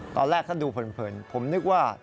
ตอนแรกถ้าดูเผินผมนึกว่า